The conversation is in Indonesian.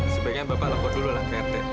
sebaiknya bapak lakukan dulu lah pt